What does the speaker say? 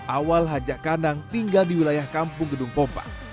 awal hajah kanang tinggal di wilayah kampung gedung pompa